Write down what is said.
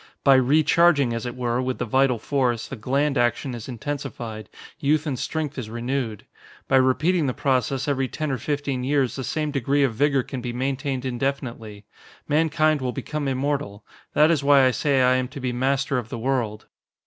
By recharging, as it were, with the vital force, the gland action is intensified, youth and strength is renewed. By repeating the process every ten or fifteen years the same degree of vigor can be maintained indefinitely. Mankind will become immortal. That is why I say I am to be master of the world."